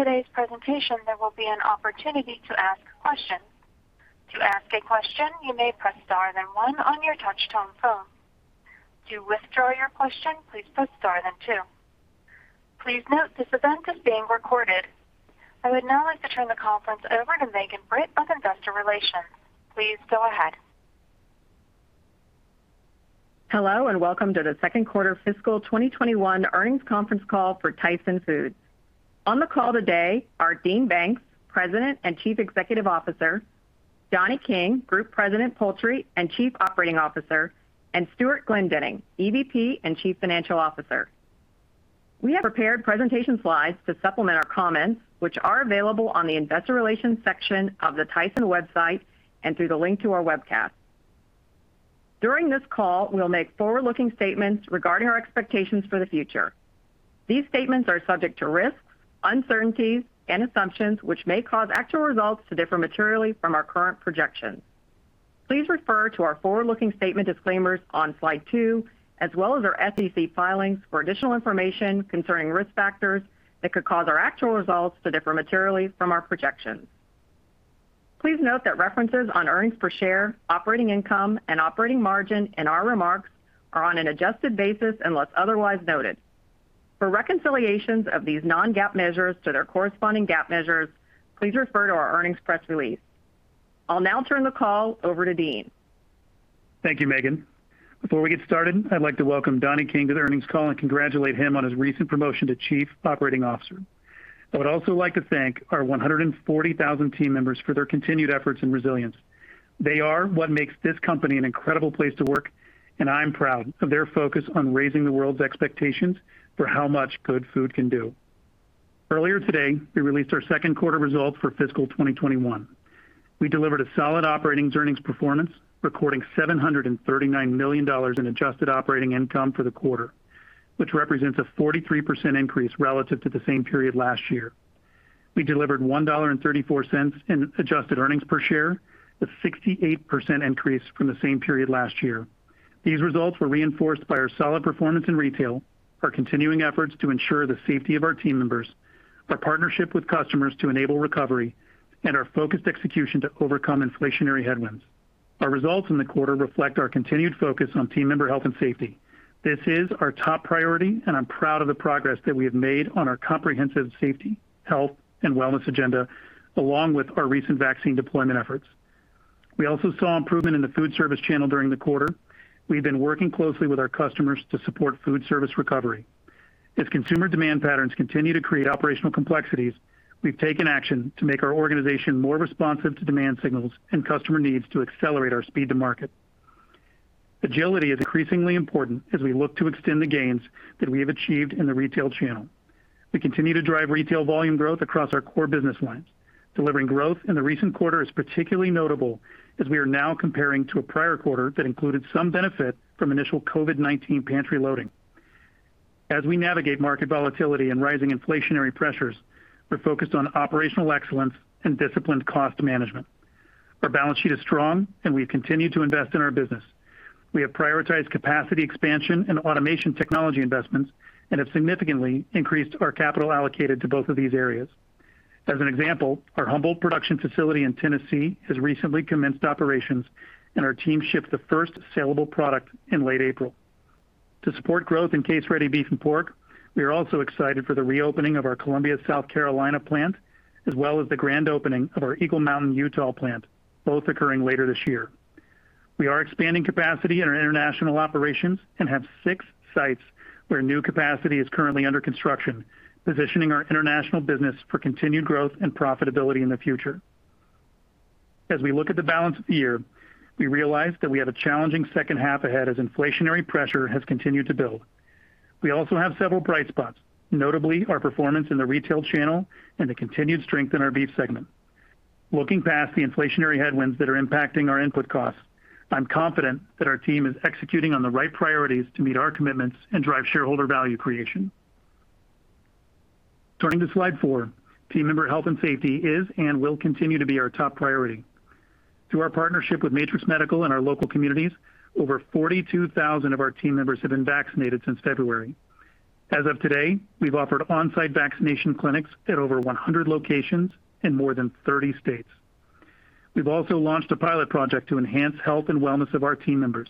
After today's presentation, there will be an opportunity to ask questions. To ask a question, you may press star then one on your touch-tone phone. To withdraw your question, please press star then two. Please note, this event is being recorded. I would now like to turn the conference over to Megan Britt of Investor Relations. Please go ahead. Hello, and welcome to the second quarter fiscal 2021 earnings conference call for Tyson Foods. On the call today are Dean Banks, president and chief executive officer; Donnie King, group president, poultry, and chief operating officer; and Stewart Glendinning, EVP and chief financial officer. We have prepared presentation slides to supplement our comments, which are available on the Investor Relations section of the Tyson website and through the link to our webcast. During this call, we will make forward-looking statements regarding our expectations for the future. These statements are subject to risks, uncertainties, and assumptions, which may cause actual results to differ materially from our current projections. Please refer to our forward-looking statement disclaimers on slide two, as well as our SEC filings for additional information concerning risk factors that could cause our actual results to differ materially from our projections. Please note that references on earnings per share, operating income, and operating margin in our remarks are on an adjusted basis unless otherwise noted. For reconciliations of these non-GAAP measures to their corresponding GAAP measures, please refer to our earnings press release. I'll now turn the call over to Dean. Thank you, Megan. Before we get started, I'd like to welcome Donnie King to the earnings call and congratulate him on his recent promotion to chief operating officer. I would also like to thank our 140,000 team members for their continued efforts and resilience. They are what makes this company an incredible place to work, and I'm proud of their focus on raising the world's expectations for how much good food can do. Earlier today, we released our second quarter results for fiscal 2021. We delivered a solid operating earnings performance, recording $739 million in adjusted operating income for the quarter, which represents a 43% increase relative to the same period last year. We delivered $1.34 in adjusted earnings per share, a 68% increase from the same period last year. These results were reinforced by our solid performance in retail, our continuing efforts to ensure the safety of our team members, our partnership with customers to enable recovery, and our focused execution to overcome inflationary headwinds. Our results in the quarter reflect our continued focus on team member health and safety. This is our top priority, and I'm proud of the progress that we have made on our comprehensive safety, health, and wellness agenda, along with our recent vaccine deployment efforts. We also saw improvement in the food service channel during the quarter. We've been working closely with our customers to support food service recovery. As consumer demand patterns continue to create operational complexities, we've taken action to make our organization more responsive to demand signals and customer needs to accelerate our speed to market. Agility is increasingly important as we look to extend the gains that we have achieved in the retail channel. We continue to drive retail volume growth across our core business lines. Delivering growth in the recent quarter is particularly notable, as we are now comparing to a prior quarter that included some benefit from initial COVID-19 pantry loading. As we navigate market volatility and rising inflationary pressures, we're focused on operational excellence and disciplined cost management. Our balance sheet is strong, and we've continued to invest in our business. We have prioritized capacity expansion and automation technology investments and have significantly increased our capital allocated to both of these areas. As an example, our Humboldt production facility in Tennessee has recently commenced operations, and our team shipped the first saleable product in late April. To support growth in case-ready beef and pork, we are also excited for the reopening of our Columbia, South Carolina plant, as well as the grand opening of our Eagle Mountain, Utah plant, both occurring later this year. We are expanding capacity in our international operations and have six sites where new capacity is currently under construction, positioning our international business for continued growth and profitability in the future. As we look at the balance of the year, we realize that we have a challenging second half ahead as inflationary pressure has continued to build. We also have several bright spots, notably our performance in the retail channel and the continued strength in our beef segment. Looking past the inflationary headwinds that are impacting our input costs, I'm confident that our team is executing on the right priorities to meet our commitments and drive shareholder value creation. Turning to slide four, team member health and safety is and will continue to be our top priority. Through our partnership with Matrix Medical and our local communities, over 42,000 of our team members have been vaccinated since February. As of today, we've offered on-site vaccination clinics at over 100 locations in more than 30 states. We've also launched a pilot project to enhance health and wellness of our team members.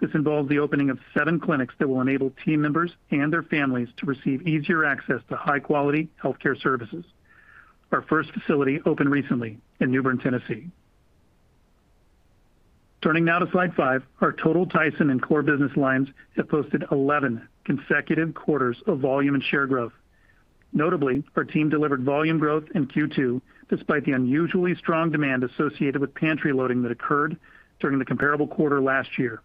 This involves the opening of seven clinics that will enable team members and their families to receive easier access to high-quality healthcare services. Our first facility opened recently in Newbern, Tennessee. Turning now to slide five, our total Tyson and core business lines have posted 11 consecutive quarters of volume and share growth. Notably, our team delivered volume growth in Q2, despite the unusually strong demand associated with pantry loading that occurred during the comparable quarter last year.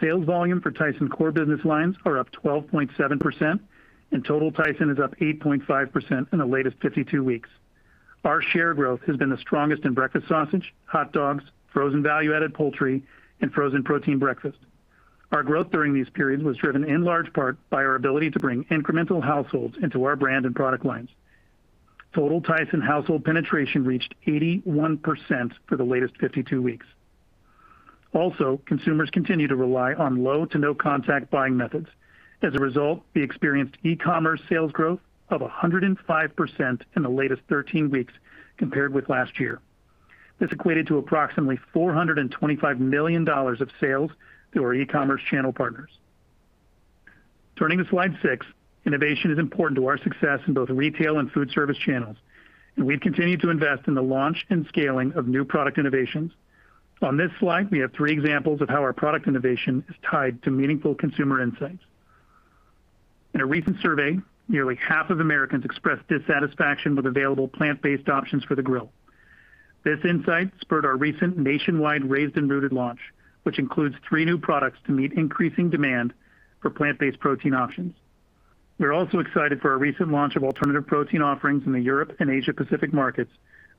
Sales volume for Tyson's core business lines are up 12.7%, and total Tyson is up 8.5% in the latest 52 weeks. Our share growth has been the strongest in breakfast sausage, hot dogs, frozen value-added poultry, and frozen protein breakfast. Our growth during these periods was driven in large part by our ability to bring incremental households into our brand and product lines. Total Tyson household penetration reached 81% for the latest 52 weeks. Consumers continue to rely on low-to-no-contact buying methods. As a result, we experienced e-commerce sales growth of 105% in the latest 13 weeks compared with last year. This equated to approximately $425 million of sales through our e-commerce channel partners. Turning to slide six, innovation is important to our success in both retail and food service channels, and we've continued to invest in the launch and scaling of new product innovations. On this slide, we have three examples of how our product innovation is tied to meaningful consumer insights. In a recent survey, nearly half of Americans expressed dissatisfaction with available plant-based options for the grill. This insight spurred our recent nationwide Raised & Rooted launch, which includes three new products to meet increasing demand for plant-based protein options. We're also excited for our recent launch of alternative protein offerings in the Europe and Asia Pacific markets,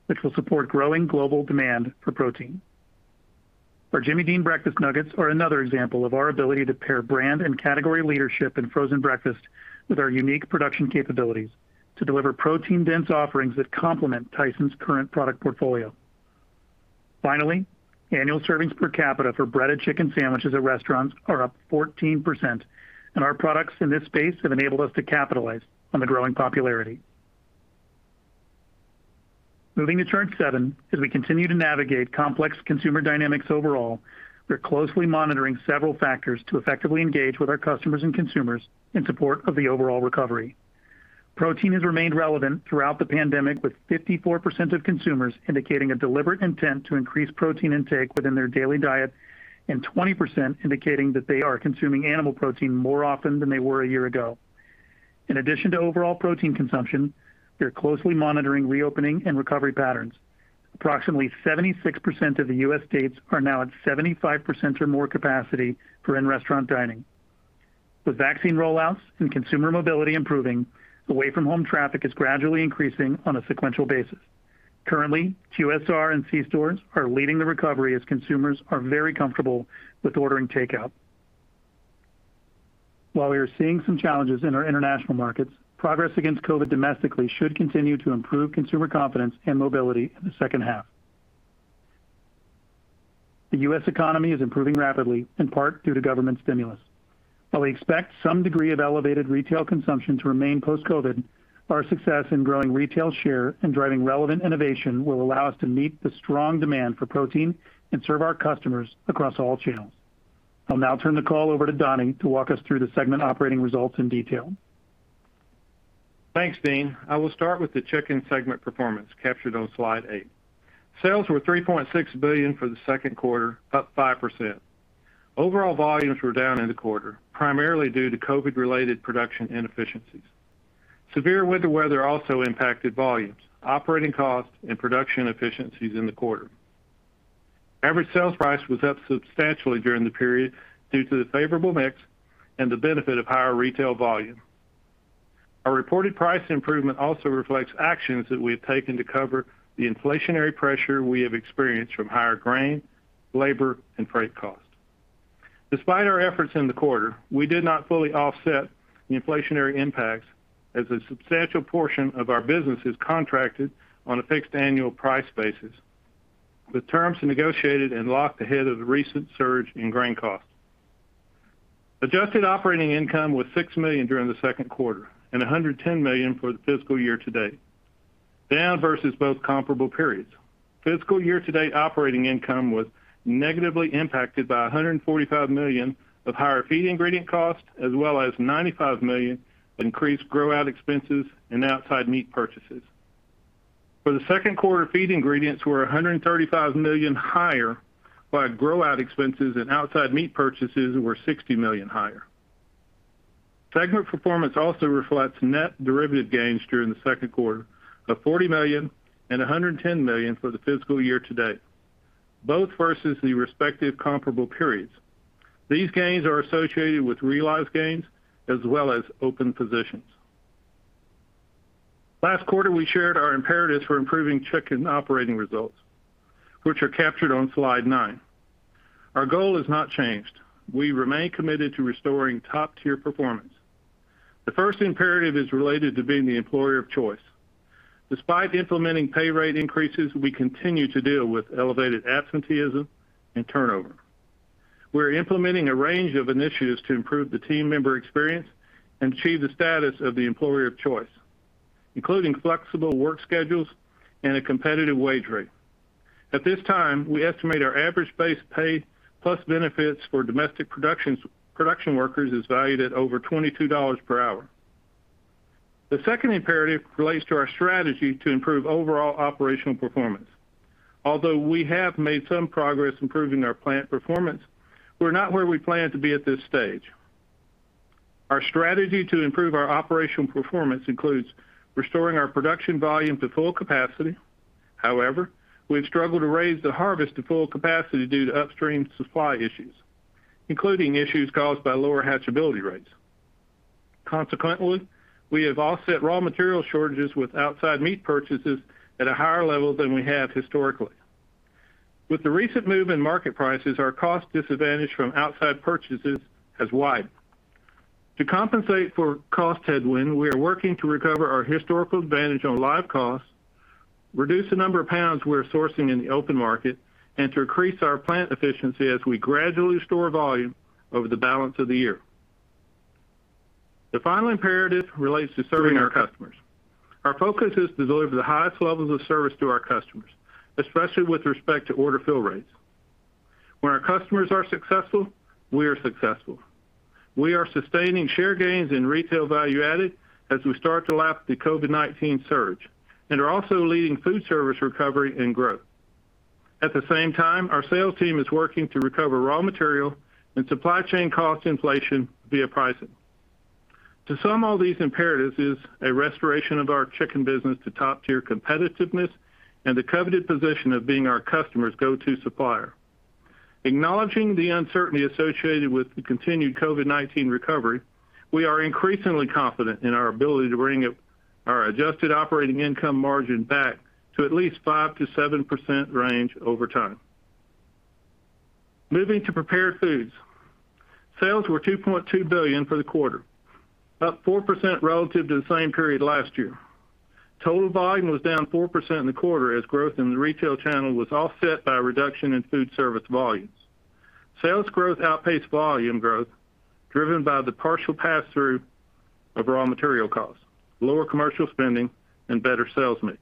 which will support growing global demand for protein. Our Jimmy Dean Breakfast Nuggets are another example of our ability to pair brand and category leadership in frozen breakfast with our unique production capabilities to deliver protein-dense offerings that complement Tyson's current product portfolio. Finally, annual servings per capita for breaded chicken sandwiches at restaurants are up 14%, and our products in this space have enabled us to capitalize on the growing popularity. Moving to chart seven, as we continue to navigate complex consumer dynamics overall, we're closely monitoring several factors to effectively engage with our customers and consumers in support of the overall recovery. Protein has remained relevant throughout the pandemic, with 54% of consumers indicating a deliberate intent to increase protein intake within their daily diet, and 20% indicating that they are consuming animal protein more often than they were a year ago. In addition to overall protein consumption, we are closely monitoring reopening and recovery patterns. Approximately 76% of the U.S. states are now at 75% or more capacity for in-restaurant dining. With vaccine rollouts and consumer mobility improving, away-from-home traffic is gradually increasing on a sequential basis. Currently, QSRs and C-stores are leading the recovery as consumers are very comfortable with ordering takeout. While we are seeing some challenges in our international markets, progress against COVID domestically should continue to improve consumer confidence and mobility in the second half. The U.S. economy is improving rapidly, in part due to government stimulus. While we expect some degree of elevated retail consumption to remain post-COVID, our success in growing retail share and driving relevant innovation will allow us to meet the strong demand for protein and serve our customers across all channels. I'll now turn the call over to Donnie to walk us through the segment operating results in detail. Thanks, Dean. I will start with the chicken segment performance captured on slide eight. Sales were $3.6 billion for the second quarter, up 5%. Overall volumes were down in the quarter, primarily due to COVID-related production inefficiencies. Severe winter weather also impacted volumes, operating costs, and production efficiencies in the quarter. Average sales price was up substantially during the period due to the favorable mix and the benefit of higher retail volume. Our reported price improvement also reflects actions that we have taken to cover the inflationary pressure we have experienced from higher grain, labor, and freight costs. Despite our efforts in the quarter, we did not fully offset the inflationary impacts, as a substantial portion of our business is contracted on a fixed annual price basis, with terms negotiated and locked ahead of the recent surge in grain costs. Adjusted operating income was $6 million during the second quarter and $110 million for the fiscal year-to-date, down versus both comparable periods. Fiscal year-to-date operating income was negatively impacted by $145 million of higher feed ingredient costs, as well as $95 million increased grow-out expenses and outside meat purchases. For the second quarter, feed ingredients were $135 million higher, while grow-out expenses and outside meat purchases were $60 million higher. Segment performance also reflects net derivative gains during the second quarter of $40 million and $110 million for the fiscal year-to-date, both versus the respective comparable periods. These gains are associated with realized gains as well as open positions. Last quarter, we shared our imperatives for improving chicken operating results, which are captured on slide nine. Our goal has not changed. We remain committed to restoring top-tier performance. The first imperative is related to being the employer of choice. Despite implementing pay rate increases, we continue to deal with elevated absenteeism and turnover. We're implementing a range of initiatives to improve the team member experience and achieve the status of the employer of choice, including flexible work schedules and a competitive wage rate. At this time, we estimate our average base pay plus benefits for domestic production workers is valued at over $22 per hour. The second imperative relates to our strategy to improve overall operational performance. Although we have made some progress improving our plant performance, we're not where we planned to be at this stage. Our strategy to improve our operational performance includes restoring our production volume to full capacity. We have struggled to raise the harvest to full capacity due to upstream supply issues, including issues caused by lower hatchability rates. Consequently, we have offset raw material shortages with outside meat purchases at a higher level than we have historically. With the recent move in market prices, our cost disadvantage from outside purchases has widened. To compensate for cost headwinds, we are working to recover our historical advantage on live costs, reduce the number of pounds we're sourcing in the open market, and to increase our plant efficiency as we gradually store volume over the balance of the year. The final imperative relates to serving our customers. Our focus is to deliver the highest levels of service to our customers, especially with respect to order fill rates. When our customers are successful, we are successful. We are sustaining share gains in retail value added as we start to lap the COVID-19 surge and are also leading food service recovery and growth. At the same time, our sales team is working to recover raw material and supply chain cost inflation via pricing. To sum all these imperatives is a restoration of our chicken business to top-tier competitiveness and the coveted position of being our customers' go-to supplier. Acknowledging the uncertainty associated with the continued COVID-19 recovery, we are increasingly confident in our ability to bring our adjusted operating income margin back to at least 5%-7% range over time. Moving to prepared foods. Sales were $2.2 billion for the quarter, up 4% relative to the same period last year. Total volume was down 4% in the quarter as growth in the retail channel was offset by a reduction in food service volumes. Sales growth outpaced volume growth, driven by the partial pass-through of raw material costs, lower commercial spending, and better sales mix.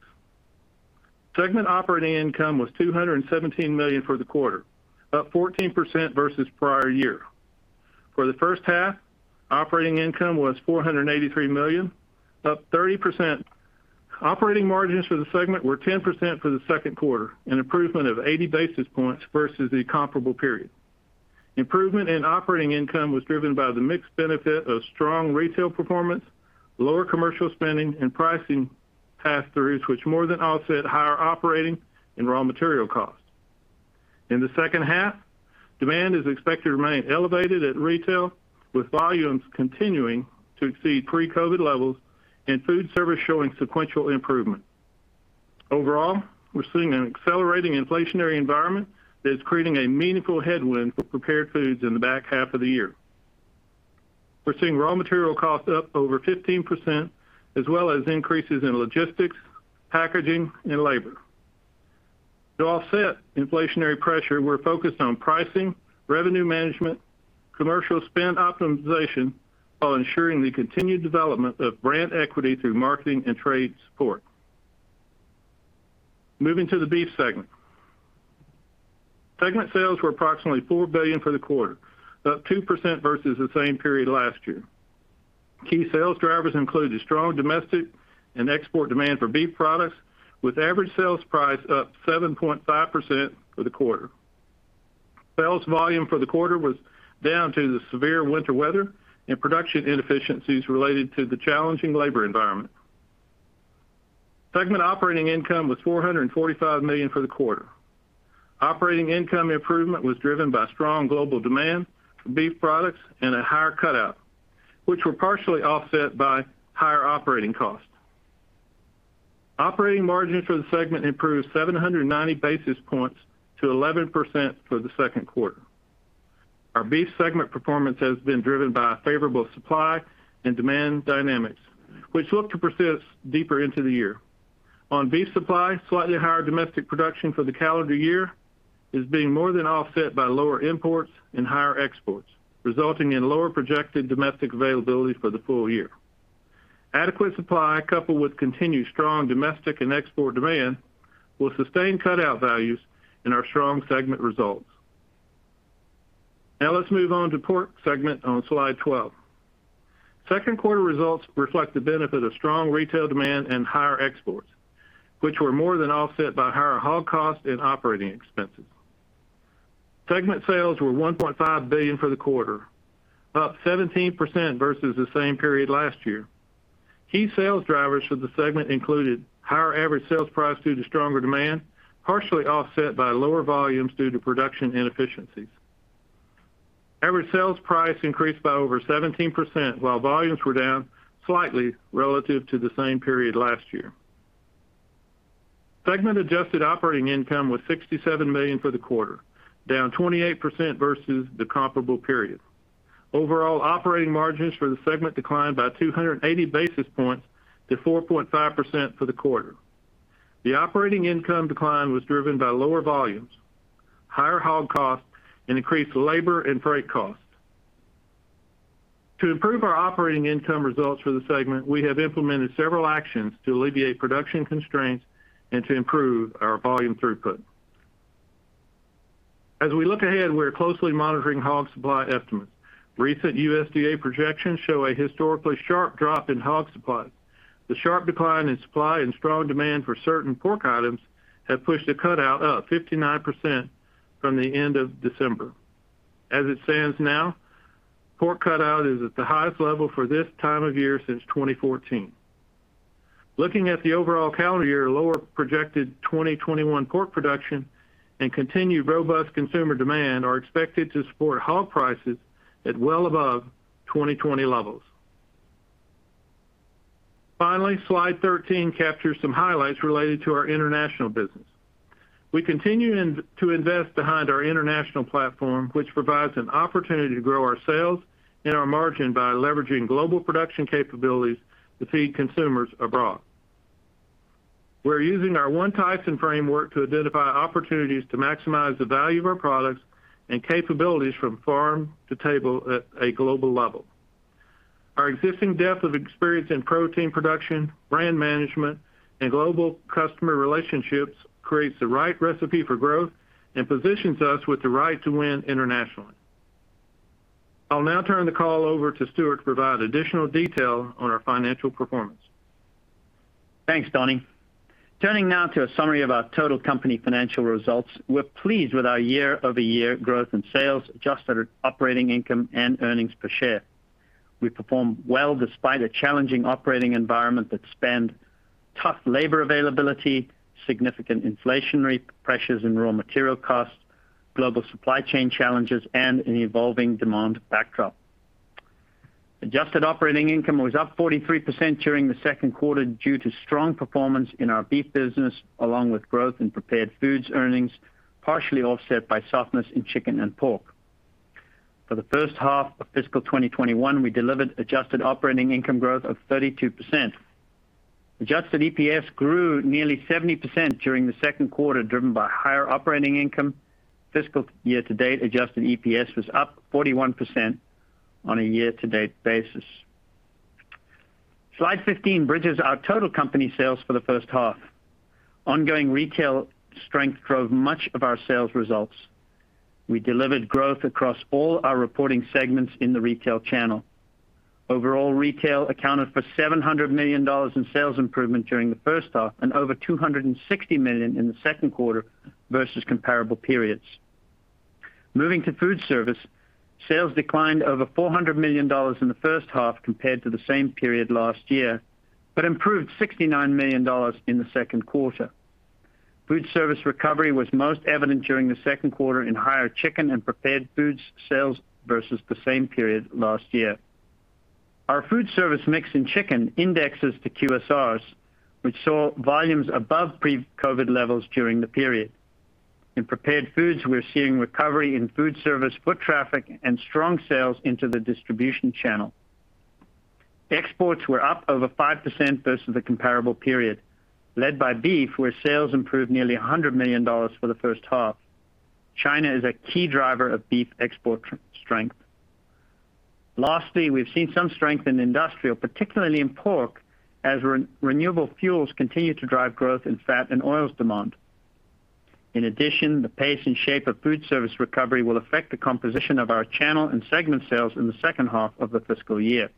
Segment operating income was $217 million for the quarter, up 14% versus prior year. For the first half, operating income was $483 million, up 30%. Operating margins for the segment were 10% for the second quarter, an improvement of 80 basis points versus the comparable period. Improvement in operating income was driven by the mixed benefit of strong retail performance, lower commercial spending, and pricing pass-throughs, which more than offset higher operating and raw material costs. In the second half, demand is expected to remain elevated at retail, with volumes continuing to exceed pre-COVID-19 levels and food service showing sequential improvement. Overall, we're seeing an accelerating inflationary environment that is creating a meaningful headwind for prepared foods in the back half of the year. We're seeing raw material costs up over 15%, as well as increases in logistics, packaging, and labor. To offset inflationary pressure, we're focused on pricing, revenue management, commercial spend optimization while ensuring the continued development of brand equity through marketing and trade support. Moving to the beef segment. Segment sales were approximately $4 billion for the quarter, up 2% versus the same period last year. Key sales drivers include the strong domestic and export demand for beef products, with average sales price up 7.5% for the quarter. Sales volume for the quarter was down to the winter Storm Uri and production inefficiencies related to the challenging labor environment. Segment operating income was $445 million for the quarter. Operating income improvement was driven by strong global demand for beef products and a higher cutout, which were partially offset by higher operating costs. Operating margins for the segment improved 790 basis points to 11% for the second quarter. Our beef segment performance has been driven by favorable supply and demand dynamics, which look to persist deeper into the year. On beef supply, slightly higher domestic production for the calendar year is being more than offset by lower imports and higher exports, resulting in lower projected domestic availability for the full year. Adequate supply, coupled with continued strong domestic and export demand, will sustain cutout values and our strong segment results. Now let's move on to pork segment on slide 12. Second quarter results reflect the benefit of strong retail demand and higher exports, which were more than offset by higher hog costs and operating expenses. Segment sales were $1.5 billion for the quarter, up 17% versus the same period last year. Key sales drivers for the segment included higher average sales price due to stronger demand, partially offset by lower volumes due to production inefficiencies. Average sales price increased by over 17%, while volumes were down slightly relative to the same period last year. Segment adjusted operating income was $67 million for the quarter, down 28% versus the comparable period. Overall operating margins for the segment declined by 280 basis points to 4.5% for the quarter. The operating income decline was driven by lower volumes, higher hog costs, and increased labor and freight costs. To improve our operating income results for the segment, we have implemented several actions to alleviate production constraints and to improve our volume throughput. As we look ahead, we're closely monitoring hog supply estimates. Recent USDA projections show a historically sharp drop in hog supply. The sharp decline in supply and strong demand for certain pork items have pushed the cutout up 59% from the end of December. As it stands now, pork cutout is at the highest level for this time of year since 2014. Looking at the overall calendar year, lower projected 2021 pork production and continued robust consumer demand are expected to support hog prices at well above 2020 levels. Finally, slide 13 captures some highlights related to our international business. We continue to invest behind our international platform, which provides an opportunity to grow our sales and our margin by leveraging global production capabilities to feed consumers abroad. We're using our One Tyson framework to identify opportunities to maximize the value of our products and capabilities from farm to table at a global level. Our existing depth of experience in protein production, brand management, and global customer relationships creates the right recipe for growth and positions us with the right to win internationally. I'll now turn the call over to Stewart to provide additional detail on our financial performance. Thanks, Donnie. Turning now to a summary of our total company financial results. We're pleased with our year-over-year growth in sales, adjusted operating income, and earnings per share. We performed well despite a challenging operating environment that spanned tough labor availability, significant inflationary pressures in raw material costs, global supply chain challenges, and an evolving demand backdrop. Adjusted operating income was up 43% during the second quarter due to strong performance in our beef business, along with growth in prepared foods earnings, partially offset by softness in chicken and pork. For the first half of fiscal 2021, we delivered adjusted operating income growth of 32%. Adjusted EPS grew nearly 70% during the second quarter, driven by higher operating income. Fiscal year-to-date, adjusted EPS was up 41% on a year-to-date basis. Slide 15 bridges our total company sales for the first half. Ongoing retail strength drove much of our sales results. We delivered growth across all our reporting segments in the retail channel. Overall retail accounted for $700 million in sales improvement during the first half and over $260 million in the second quarter versus comparable periods. Moving to food service, sales declined over $400 million in the first half compared to the same period last year but improved $69 million in the second quarter. Food service recovery was most evident during the second quarter in higher chicken and prepared foods sales versus the same period last year. Our food service mix in chicken indexes to QSRs, which saw volumes above pre-COVID levels during the period. In prepared foods, we're seeing recovery in food service, foot traffic, and strong sales into the distribution channel. Exports were up over 5% versus the comparable period, led by beef, where sales improved nearly $100 million for the first half. China is a key driver of beef export strength. Lastly, we've seen some strength in industrial, particularly in pork, as renewable fuels continue to drive growth in fat and oils demand. In addition, the pace and shape of food service recovery will affect the composition of our channel and segment sales in the second half of the fiscal year.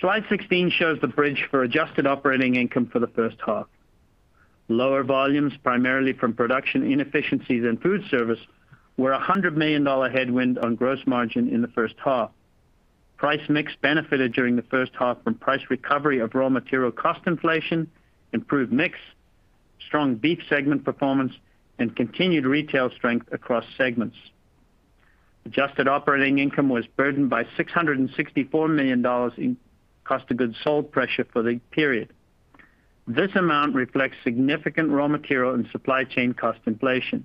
Slide 16 shows the bridge for adjusted operating income for the first half. Lower volumes, primarily from production inefficiencies in food service, were a $100 million headwind on gross margin in the first half. Price mix benefited during the first half from price recovery of raw material cost inflation, improved mix, strong beef segment performance, and continued retail strength across segments. Adjusted operating income was burdened by $664 million in cost-of-goods-sold pressure for the period. This amount reflects significant raw material and supply chain cost inflation.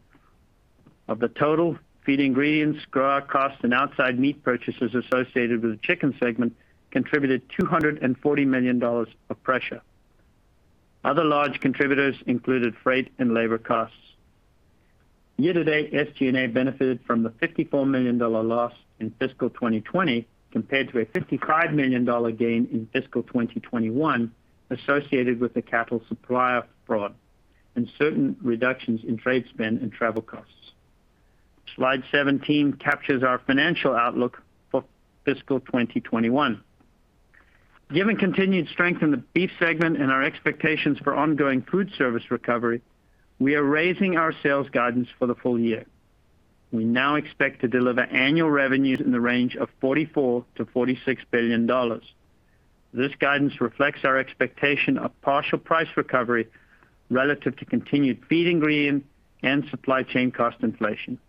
Of the total, feed ingredients, grower costs, and outside meat purchases associated with the chicken segment contributed $240 million of pressure. Other large contributors included freight and labor costs. Year-to-date, SG&A benefited from the $54 million loss in fiscal 2020 compared to a $55 million gain in fiscal 2021 associated with the cattle supply fraud and certain reductions in trade spend and travel costs. Slide 17 captures our financial outlook for fiscal 2021. Given continued strength in the beef segment and our expectations for ongoing food service recovery, we are raising our sales guidance for the full year. We now expect to deliver annual revenues in the range of $44 billion-$46 billion. This guidance reflects our expectation of partial price recovery relative to continued feed ingredient and supply chain cost inflation.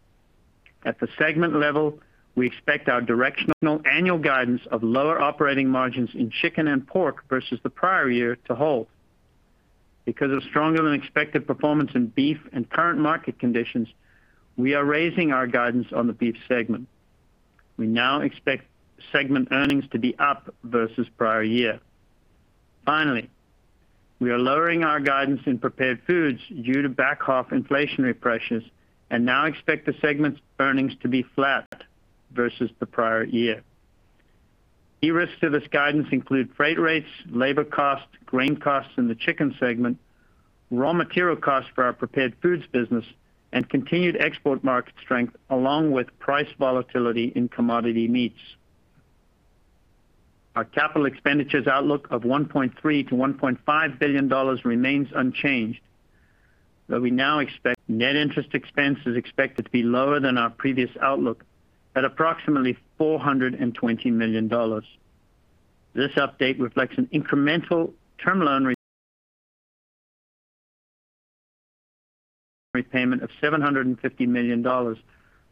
At the segment level, we expect our directional annual guidance of lower operating margins in chicken and pork versus the prior year to hold. Because of stronger-than-expected performance in beef and current market conditions, we are raising our guidance on the beef segment. We now expect segment earnings to be up versus prior year. Finally, we are lowering our guidance in prepared foods due to back-half inflationary pressures and now expect the segment's earnings to be flat versus the prior year. Key risks to this guidance include freight rates, labor costs, grain costs in the chicken segment, raw material costs for our prepared foods business, and continued export market strength along with price volatility in commodity meats. Our CapEx outlook of $1.3 billion-$1.5 billion remains unchanged, though we now expect net interest expense is expected to be lower than our previous outlook at approximately $420 million. This update reflects an incremental term loan repayment of $750 million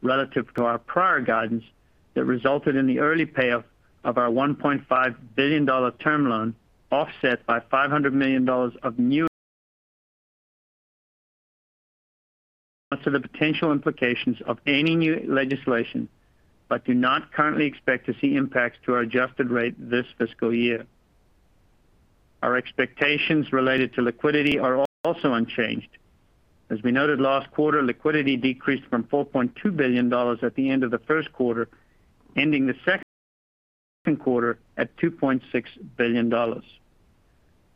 relative to our prior guidance that resulted in the early payoff of our $1.5 billion term loan, offset by $500 million of new indebtedness associated with a new bilateral term loan facility. Our outlook on the effective tax rate is unchanged. We will continue to monitor the potential implications of any new legislation but do not currently expect to see impacts to our adjusted rate this fiscal year. Our expectations related to liquidity are also unchanged. As we noted last quarter, liquidity decreased from $4.2 billion at the end of the first quarter, ending the second quarter at $2.6 billion.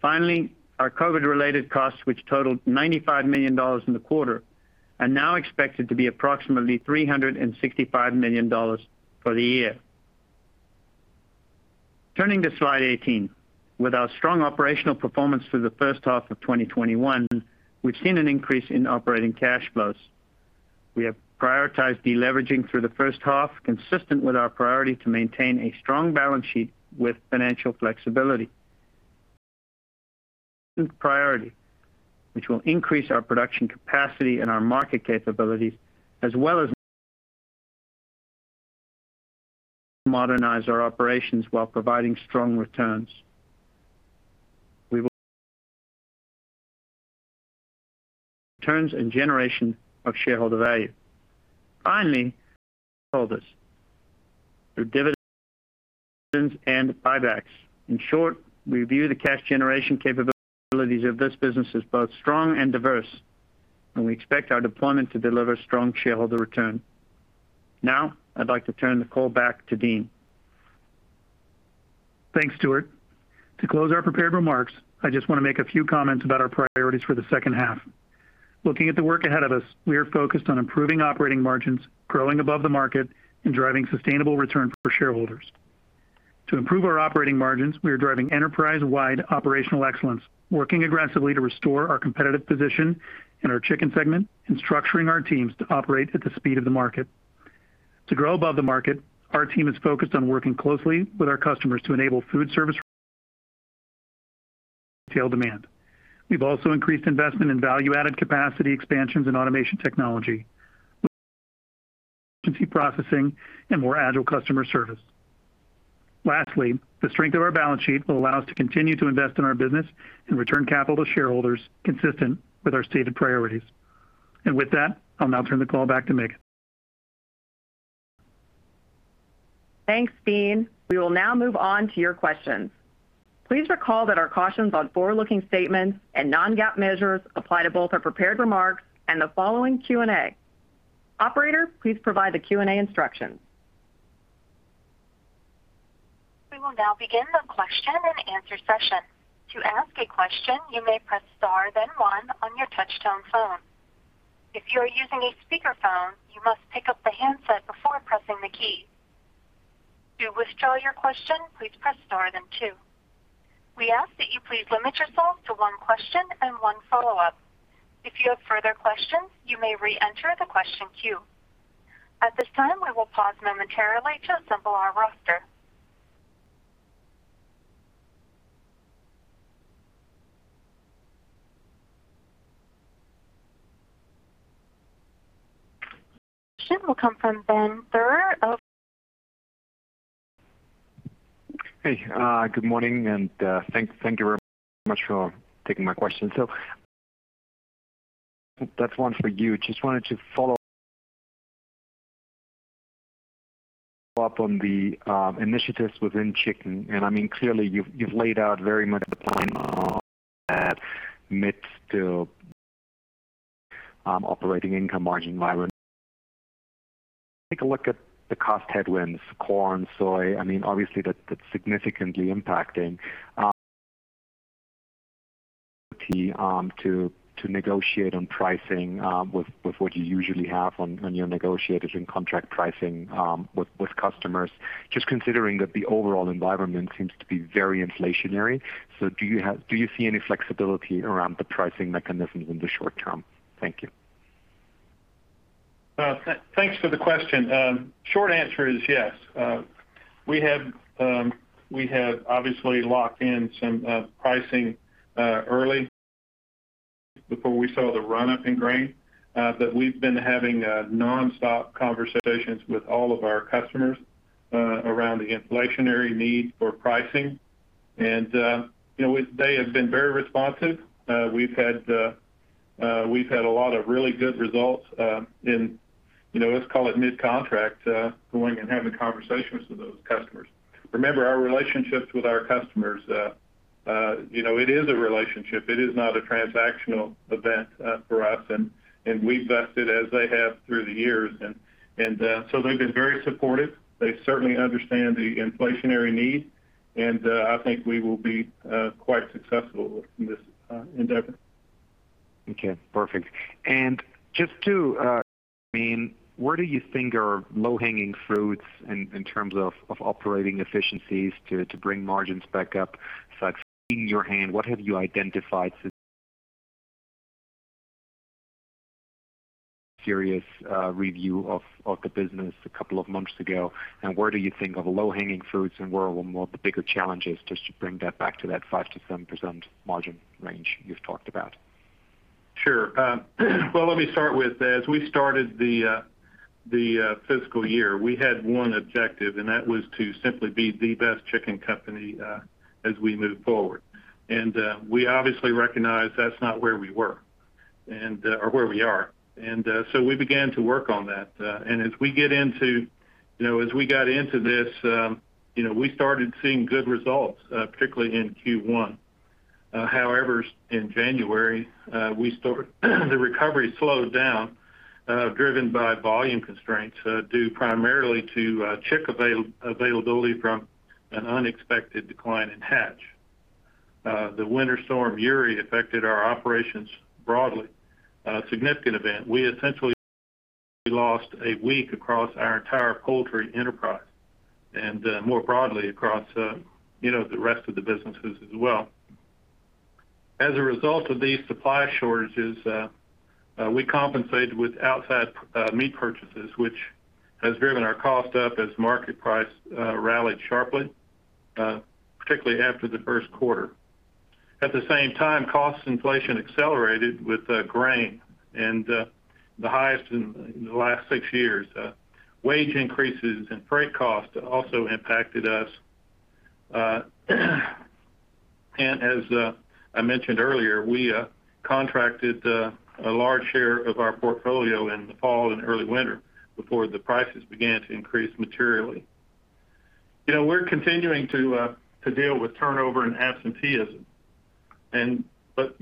Finally, our COVID-19-related costs, which totaled $95 million in the quarter, are now expected to be approximately $365 million for the year. Turning to slide 18. With our strong operational performance through the first half of 2021, we've seen an increase in operating cash flows. We have prioritized de-leveraging through the first half, consistent with our priority to maintain a strong balance sheet with financial flexibility. Priority, which will increase our production capacity and our market capabilities as well as modernize our operations while providing strong returns. returns and generation of shareholder value. Finally, we're committed return cash to shareholders through dividends and buybacks. In short, we view the cash generation capabilities of this business as both strong and diverse, and we expect our deployment to deliver strong shareholder return. Now I'd like to turn the call back to Dean. Thanks, Stewart. To close our prepared remarks, I just want to make a few comments about our priorities for the second half. Looking at the work ahead of us, we are focused on improving operating margins, growing above the market, and driving sustainable return for shareholders. To improve our operating margins, we are driving enterprise-wide operational excellence, working aggressively to restore our competitive position in our chicken segment, and structuring our teams to operate at the speed of the market. To grow above the market, our team is focused on working closely with our customers to enable food service retail demand. We've also increased investment in value-added capacity expansions and automation technology, processing, and more agile customer service. Lastly, the strength of our balance sheet will allow us to continue to invest in our business and return capital to shareholders consistent with our stated priorities. With that, I'll now turn the call back to Megan. Thanks, Dean. We will now move on to your questions. Please recall that our cautions on forward-looking statements and non-GAAP measures apply to both our prepared remarks and the following Q&A. Operator, please provide the Q&A instructions. We would now begin the question-and-answer session. To ask a question, you may press star, then one on your touch-tone phone. If you're using a speakerphone, you must pick up the handset before pressing the key. To withdraw your question, please press star, then two. We ask that you please limit yourself to one question and one follow-up. If you have further questions, you may re-enter the question queue. At this time, we will talk momentarily just to pull our roster. And our first question will come from Benjamin Theurer of Barclays Good morning. Thank you very much for taking my question. That's one for you. Just wanted to follow up on the initiatives within chicken; clearly, you've laid out very much the plan that mid-to-operating income margin environment. Take a look at the cost headwinds, corn, soy; obviously, that's significantly impacting to negotiate on pricing with what you usually have on your negotiators in contract pricing with customers, just considering that the overall environment seems to be very inflationary. Do you see any flexibility around the pricing mechanisms in the short term? Thank you. Thanks for the question. Short answer is yes. We have obviously locked in some pricing early before we saw the run-up in grain, but we've been having nonstop conversations with all of our customers around the inflationary need for pricing, and they have been very responsive. We've had a lot of really good results in, let's call it mid-contract, going and having conversations with those customers. Remember, our relationships with our customers, it is a relationship. It is not a transactional event for us, and we've vested as they have through the years, and so they've been very supportive. They certainly understand the inflationary need, and I think we will be quite successful in this endeavor. Okay, perfect. Just to, Dean, where do you think are low-hanging fruits in terms of operating efficiencies to bring margins back up? Seeing your hand, what have you identified serious review of the business a couple of months ago, and where do you think are the low-hanging fruits, and where do you think of low-hanging fruits and the bigger challenges just to bring that back to that 5%-7% margin range you've talked about? Sure. Let me start with, as we started the fiscal year, we had one objective, and that was to simply be the best chicken company as we move forward. We obviously recognize that's not where we were and, or where we are. We began to work on that. As we got into this, we started seeing good results, particularly in Q1. However, in January, we started the recovery slowed down, driven by volume constraints, due primarily to chick availability from an unexpected decline in hatch. The Winter Storm Uri affected our operations broadly. A significant event. We essentially lost a week across our entire poultry enterprise and more broadly across the rest of the businesses as well. As a result of these supply shortages, we compensated with outside meat purchases, which has driven our cost up as market prices rallied sharply, particularly after the first quarter. At the same time, cost inflation accelerated with grain and the highest in the last six years. Wage increases and freight costs also impacted us. As I mentioned earlier, we contracted a large share of our portfolio in the fall and early winter before the prices began to increase materially. We're continuing to deal with turnover and absenteeism, but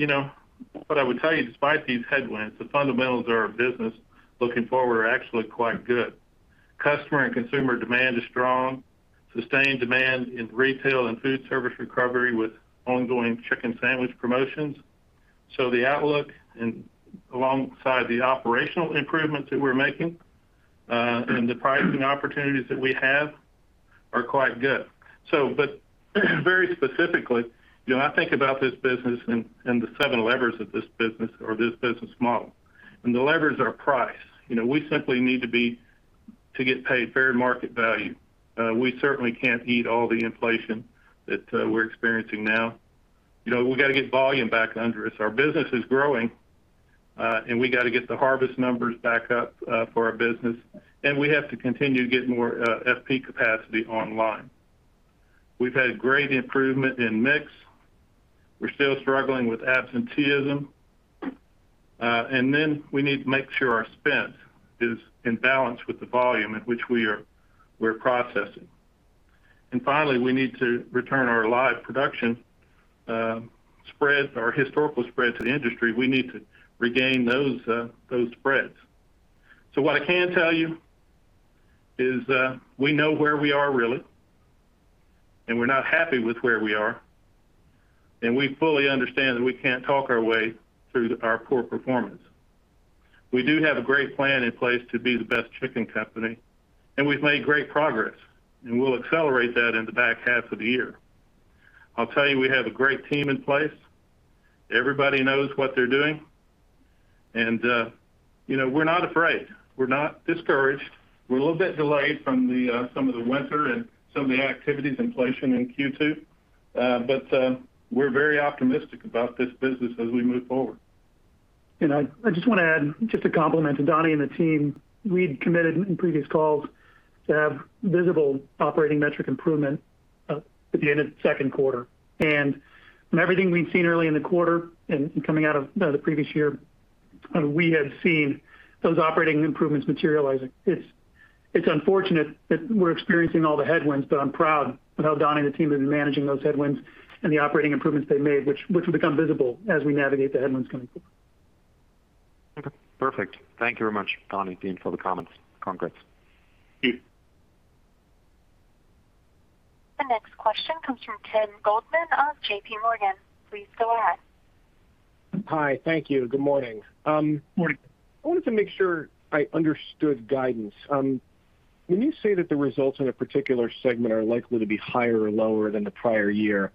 what I would tell you is, despite these headwinds, the fundamentals of our business looking forward are actually quite good. Customer and consumer demand is strong, sustained demand in retail and food service recovery with ongoing chicken sandwich promotions. The outlook and alongside the operational improvements that we're making and the pricing opportunities that we have are quite good. Very specifically, I think about this business and the seven levers of this business or this business model, and the levers are price. We simply need to get paid fair market value. We certainly can't eat all the inflation that we're experiencing now. We've got to get volume back under us. Our business is growing, and we got to get the harvest numbers back up for our business. We have to continue to get more FP capacity online. We've had great improvement in mix. We're still struggling with absenteeism. We need to make sure our spend is in balance with the volume at which we're processing. Finally, we need to return our live production spreads, our historical spreads, to the industry. We need to regain those spreads. What I can tell you is we know where we are, really, and we're not happy with where we are. We fully understand that we can't talk our way through our poor performance. We do have a great plan in place to be the best chicken company, and we've made great progress, and we'll accelerate that in the back half of the year. I'll tell you, we have a great team in place. Everybody knows what they're doing, and we're not afraid. We're not discouraged. We're a little bit delayed from some of the winter and some of the activities' inflation in Q2. We're very optimistic about this business as we move forward. I just want to add just a compliment to Donnie and the team. We'd committed in previous calls to have visible operating metric improvement at the end of the second quarter. From everything we'd seen early in the quarter and coming out of the previous year, we have seen those operating improvements materializing. It's unfortunate that we're experiencing all the headwinds, but I'm proud of how Donnie and the team have been managing those headwinds and the operating improvements they made, which will become visible as we navigate the headwinds coming forward. Okay, perfect. Thank you very much, Donnie, Dean, for the comments. Congrats. Thank you. The next question comes from Ken Goldman of J.P. Morgan. Please go ahead. Hi. Thank you. Good morning. Morning. I wanted to make sure I understood guidance. When you say that the results in a particular segment are likely to be higher or lower than the prior year,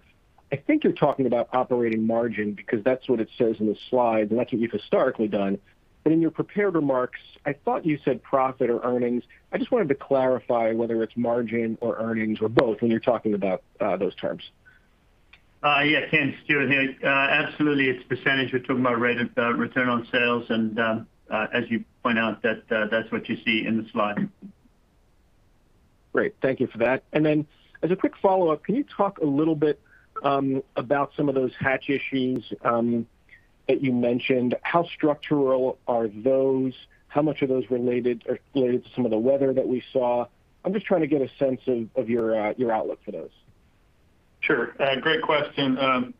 I think you're talking about operating margin because that's what it says in the slides, and that's what you've historically done. In your prepared remarks, I thought you said profit or earnings. I just wanted to clarify whether it's margin or earnings or both when you're talking about those terms. Yeah, Ken, Stewart here. Absolutely, it's a percentage. We're talking about rate of return on sales and, as you point out, that's what you see in the slide. Great. Thank you for that. As a quick follow-up, can you talk a little bit about some of those hatch issues that you mentioned? How structural are those? How much are those related to some of the weather that we saw? I'm just trying to get a sense of your outlook for those. Sure. Great question.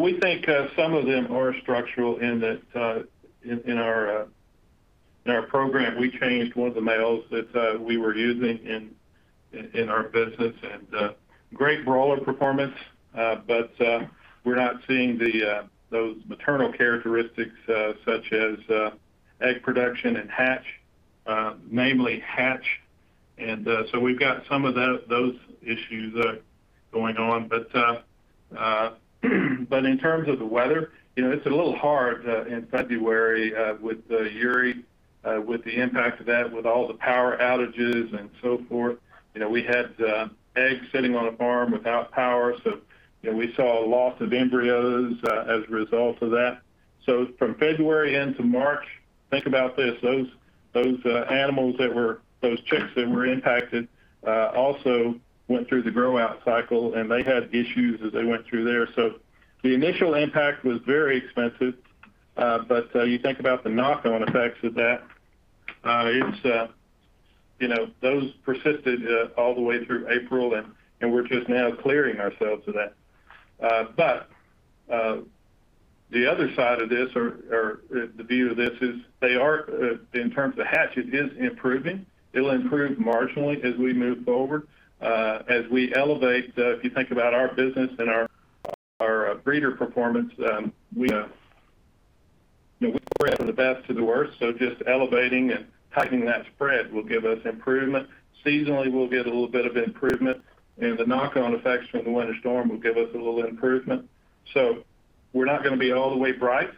We think some of them are structural in that in our program, we changed one of the males that we were using in our business and great broiler performance. We're not seeing those maternal characteristics, such as egg production and hatch, namely, hatch. We've got some of those issues going on. In terms of the weather, it's a little hard in February with the Uri, with the impact of that, with all the power outages and so forth. We had eggs sitting on a farm without power. We saw a loss of embryos as a result of that. From February into March, think about this: those animals, those chicks that were impacted, also went through the grow-out cycle, and they had issues as they went through there. The initial impact was very expensive. You think about the knock-on effects of that; those persisted all the way through April, and we're just now clearing ourselves of that. The other side of this, or the view of this is they are, in terms of the hatch, it is improving. It'll improve marginally as we move forward. As we elevate, if you think about our business and our breeder performance, we from the best to the worst, so just elevating and tightening that spread will give us improvement. Seasonally, we'll get a little bit of improvement, and the knock-on effects from the winter storm will give us a little improvement. We're not going to be all the way bright.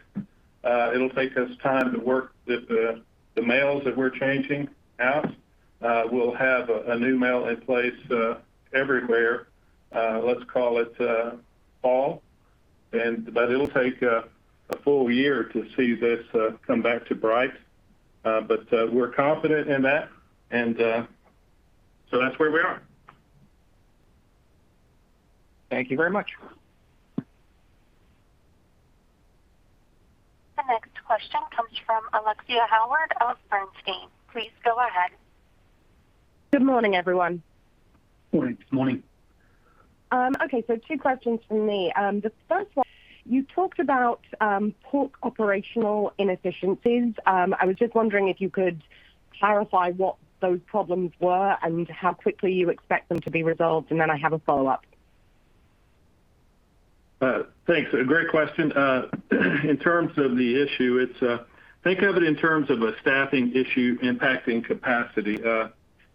It'll take us time to work with the males that we're changing out. We'll have a new model in place everywhere; let's call it "fall," but it'll take a full year to see this come back to bright. We're confident in that, and so that's where we are. Thank you very much. The next question comes from Alexia Howard of Bernstein. Please go ahead. Good morning, everyone. Morning. Morning. Okay. Two questions from me. The first one, you talked about pork operational inefficiencies. I was just wondering if you could clarify what those problems were and how quickly you expect them to be resolved. I have a follow-up. Thanks. A great question. In terms of the issue, think of it in terms of a staffing issue impacting capacity.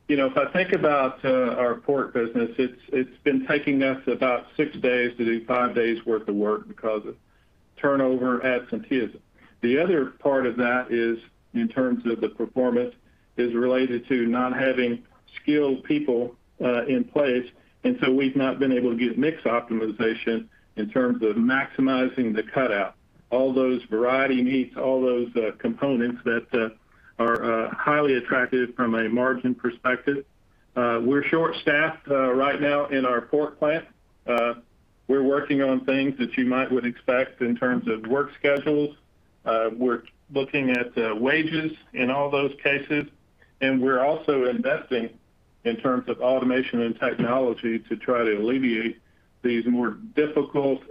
If I think about our pork business, it's been taking us about six days to do five days worth of work because of turnover and absenteeism. The other part of that is, in terms of the performance, is related to not having skilled people in place. We've not been able to get mix optimization in terms of maximizing the cutout, all those variety meats, all those components that are highly attractive from a margin perspective. We're short-staffed right now in our pork plant. We're working on things that you might would expect in terms of work schedules. We're looking at wages in all those cases. We're also investing in terms of automation and technology to try to alleviate these more difficult.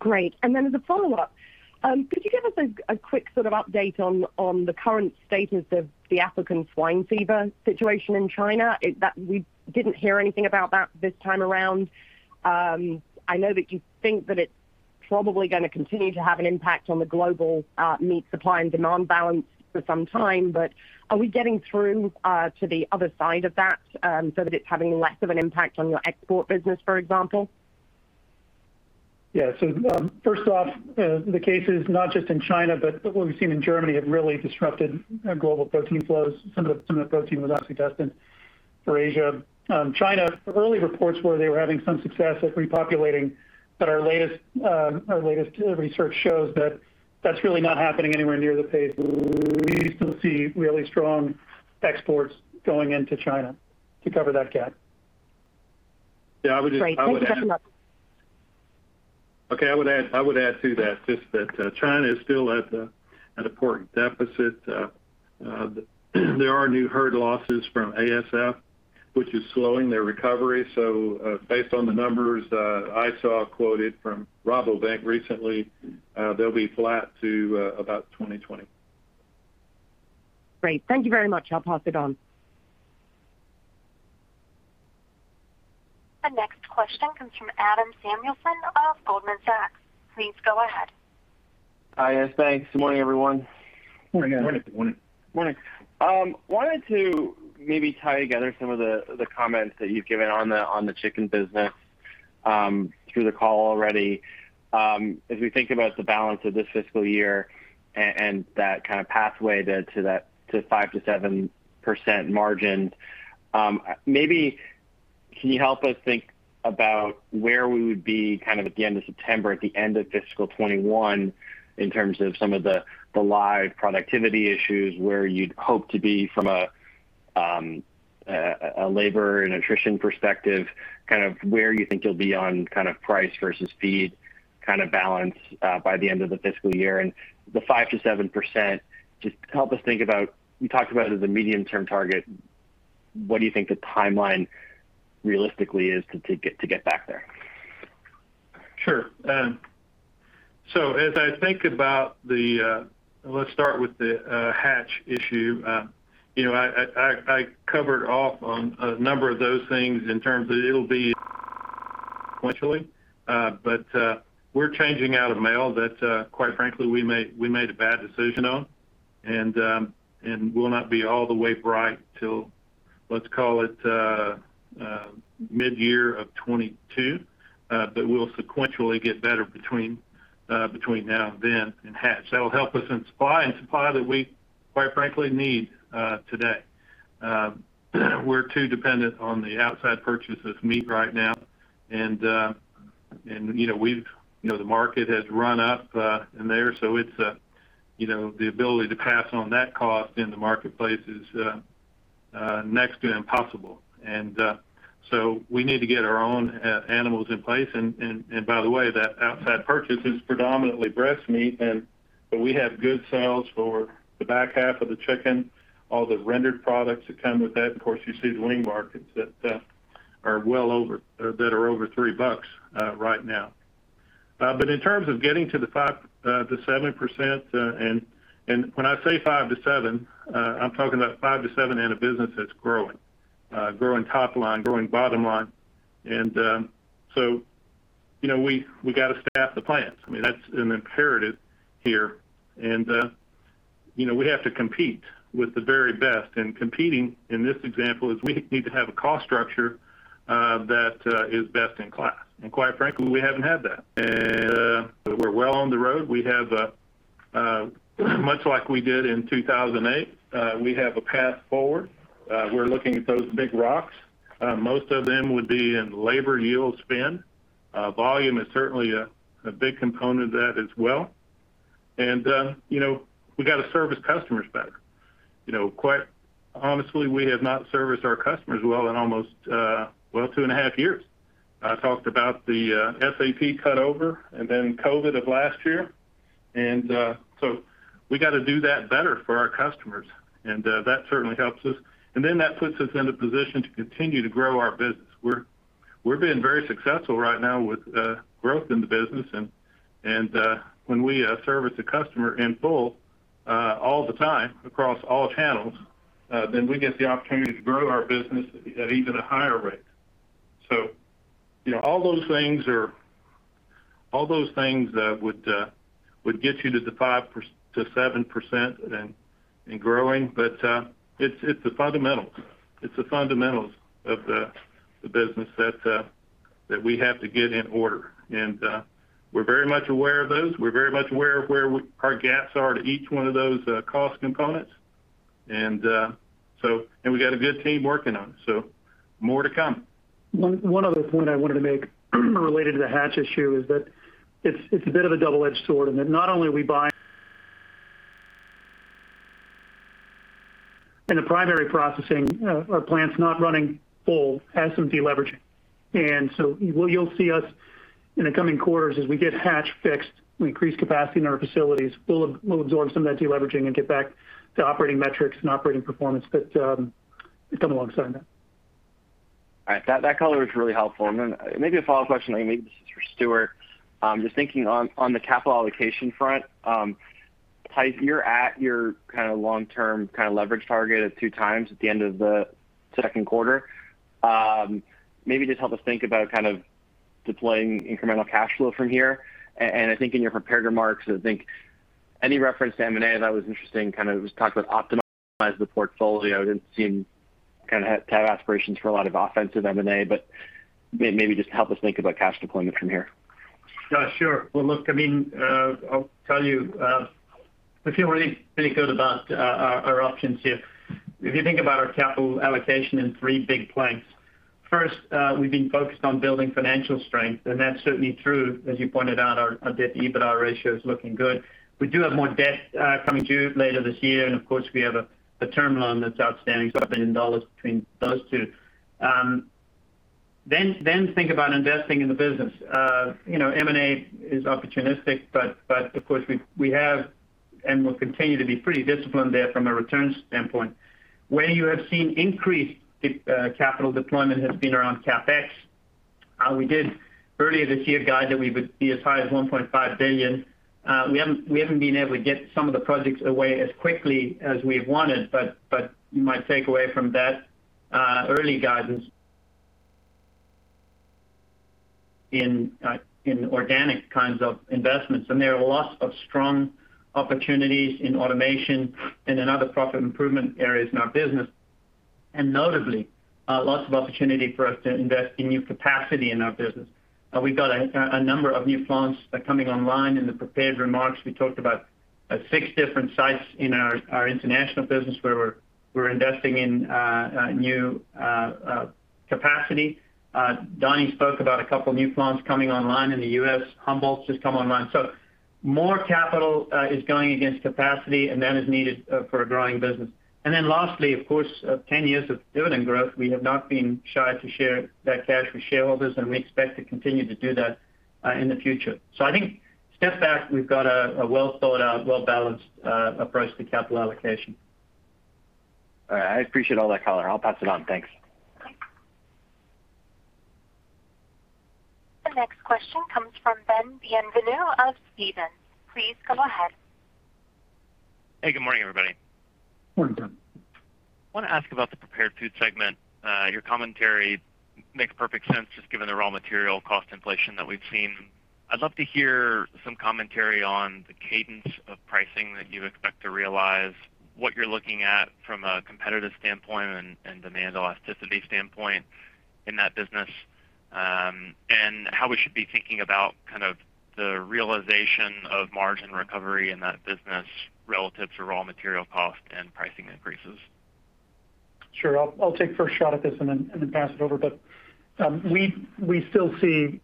Great. As a follow-up, could you give us a quick update on the current status of the African swine fever situation in China? We didn't hear anything about that this time around. I know that you think that it's probably going to continue to have an impact on the global meat supply and demand balance for some time, are we getting through to the other side of that so that it's having less of an impact on your export business, for example? First off, the cases, not just in China, but what we've seen in Germany, have really disrupted global protein flows. Some of the protein was obviously destined for Asia. China, early reports were they were having some success at repopulating, but our latest research shows that that's really not happening anywhere near the pace we used to see really strong exports going into China to cover that gap. Great. Thank you so much. I would add to that just that China is still at a pork deficit. There are new herd losses from ASF, which is slowing their recovery. Based on the numbers I saw quoted from Rabobank recently, they'll be flat to about 2020. Great. Thank you very much. I'll pass it on. The next question comes from Adam Samuelson of Goldman Sachs. Please go ahead. Hi, guys. Thanks. Good morning, everyone. Morning. Morning. Morning. Wanted to maybe tie together some of the comments that you've given on the chicken business through the call already. As we think about the balance of this fiscal year and that kind of pathway to 5%-7% margin, maybe can you help us think about where we would be at the end of September, at the end of fiscal 2021, in terms of some of the live productivity issues, where you'd hope to be from a labor and attrition perspective, and where you think you'll be on price versus feed balance by the end of the fiscal year? The 5%-7% just helps us think about, you talked about it as a medium-term target. What do you think the timeline realistically is to get back there? Sure. As I think about, let's start with the hatch issue. I covered off on a number of those things in terms of it'll be sequentially. We're changing out a male that, quite frankly, we made a bad decision on and will not be all the way right till, let's call it, mid-year of 2022. We'll sequentially get better between now and then in hatch. That'll help us in supply, in supply that we, quite frankly, need today. We're too dependent on the outside purchase of meat right now, and the market has run up in there. The ability to pass on that cost in the marketplace is next to impossible. We need to get our own animals in place. By the way, that outside purchase is predominantly breast meat, and we have good sales for the back half of the chicken, all the rendered products that come with that. Of course, you see the wing markets that are over $3 right now. In terms of getting to the 5% to 7%, and when I say 5% to 7%, I'm talking about 5% to 7% in a business that's growing. Growing top line, growing bottom line. We got to staff the plants. That's an imperative here. We have to compete with the very best. Competing, in this example, is that we need to have a cost structure that is best in class. Quite frankly, we haven't had that. We're well on the road. Much like we did in 2008, we have a path forward. We're looking at those big rocks. Most of them would be in labor yield spend. Volume is certainly a big component of that as well. We got to service customers better. Quite honestly, we have not serviced our customers well in almost two and a half years. I talked about the SAP cutover and COVID of last year. We got to do that better for our customers. That certainly helps us. That puts us in a position to continue to grow our business, where we're being very successful right now with growth in the business. When we service a customer in full all the time across all channels, then we get the opportunity to grow our business at even a higher rate. All those things would get you to the 5% to 7% and growing. It's the fundamentals of the business that we have to get in order. We're very much aware of those. We're very much aware of where our gaps are to each one of those cost components. We've got a good team working on it. More to come. One other point I wanted to make related to the hatch issue is that it's a bit of a double-edged sword in that not only are we buying and the primary processing, but our plant's not running full as some deleveraging. You'll see us in the coming quarters as we get hatch fixed, we increase capacity in our facilities, we'll absorb some of that deleveraging, and we get back to operating metrics and operating performance that come alongside that. All right. That color was really helpful. Then maybe a follow-up question; maybe this is for Stewart. Just thinking on the capital allocation front. You're at your long-term leverage target of two times at the end of the second quarter. Maybe just help us think about deploying incremental cash flow from here. I think in your prepared remarks, I think any reference to M&A, that was interesting; it kind of just talk about optimize the portfolio and didn't seem to have aspirations for a lot of offensive M&A, but maybe just help us think about cash deployment from here. Sure. Well, look, I'll tell you, we feel really pretty good about our options here. If you think about our capital allocation in three big planks. First, we've been focused on building financial strength, and that's certainly true; as you pointed out, our debt-to-EBITDA ratio is looking good. We do have more debt coming due later this year, and of course, we have a term loan that's outstanding, $2 billion between those two. Think about investing in the business. M&A is opportunistic, but of course, we have and will continue to be pretty disciplined there from a returns standpoint. Where you have seen increased capital deployment has been around CapEx. We did earlier this year guide that we would be as high as $1.5 billion. We haven't been able to get some of the projects away as quickly as we have wanted, but you might take away from that early guidance in organic kinds of investments. There are lots of strong opportunities in automation and in other profit improvement areas in our business. Notably, lots of opportunity for us to invest in new capacity in our business. We've got a number of new plants coming online. In the prepared remarks, we talked about six different sites in our international business where we're investing in new capacity. Donnie spoke about a couple of new plants coming online in the U.S. Humboldt's just come online. More capital is going against capacity, and that is needed for a growing business. Lastly, of course, 10 years of dividend growth, we have not been shy to share that cash with shareholders, and we expect to continue to do that in the future. I think step back; we've got a well-thought-out, well-balanced approach to capital allocation. All right. I appreciate all that color. I'll pass it on. Thanks. Thanks. The next question comes from Ben Bienvenu of Stephens. Please go ahead. Hey, good morning, everybody. Morning, Ben. I want to ask about the prepared food segment. Your commentary makes perfect sense just given the raw material cost inflation that we've seen. I'd love to hear some commentary on the cadence of pricing that you expect to realize, what you're looking at from a competitive standpoint and demand elasticity standpoint in that business, and how we should be thinking about the realization of margin recovery in that business relative to raw material cost and pricing increases. Sure. I'll take first a shot at this and then pass it over. We still see